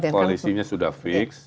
koalisinya sudah fix